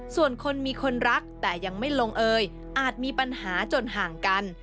ส่วนคนมีคนรักแต่ยังไม่ลงเอยอาจมีปัญหาจนห่างกัน